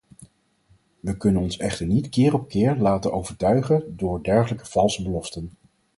We kunnen ons echter niet keer op keer laten overtuigen door dergelijke valse beloften.